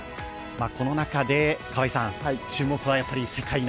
この中で、注目は世界